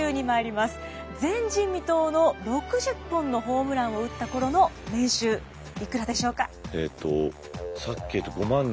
前人未到の６０本のホームランを打った頃の年収いくらでしょうか？